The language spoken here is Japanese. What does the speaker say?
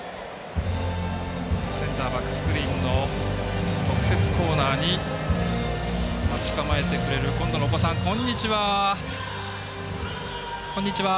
センターバックスクリーンの特設コーナーに待ち構えてくれる今度のお子さんこんにちは！